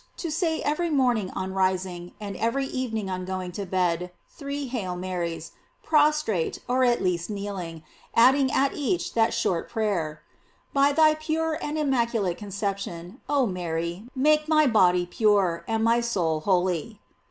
To say every morning on rising, and every evening on going to bed, three "Hail Marys," prostrate, or at least kneeling, adding at each that short prayer: "By thy pure and immaculate concep tion, Oh, Mary! make my body pure, and my soul holy."